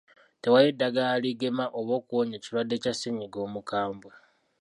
Tewali ddagala ligema oba okuwonya ekirwadde kya ssennyiga omukambwe.